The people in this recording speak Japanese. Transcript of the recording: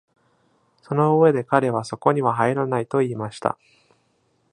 その上で彼はそこには入らないと言いました。